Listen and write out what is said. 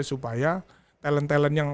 supaya talent talent yang